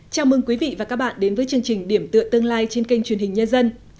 chào mừng quý vị và các bạn đến với chương trình điểm tựa tương lai trên kênh truyền hình nhân dân